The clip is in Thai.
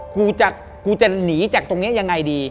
กูจะหนีจากตรงนี้ยังไงดี